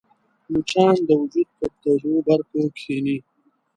مچان د وجود پر تودو برخو کښېني